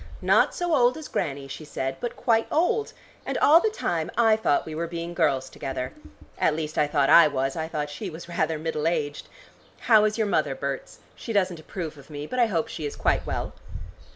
'Not so old as Grannie,' she said, 'but quite old!' And all the time I thought we were being girls together. At least I thought I was; I thought she was rather middle aged. How is your mother, Berts? She doesn't approve of me, but I hope she is quite well."